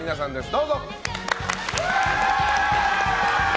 どうぞ。